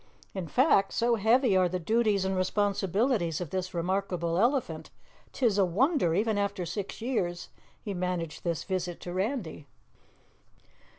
In fact, so heavy are the duties and responsibilities of this remarkable elephant, 'tis a wonder, even after six years, he managed this visit to Randy.